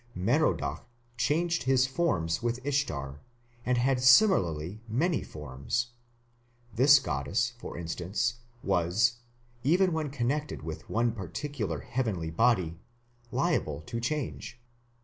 Merodach changed his forms with Ishtar, and had similarly many forms. This goddess, for instance, was, even when connected with one particular heavenly body, liable to change.